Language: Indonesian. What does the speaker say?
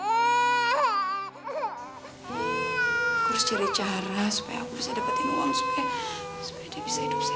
urus cari cara supaya aku bisa dapetin uang supaya dia bisa hidup sehat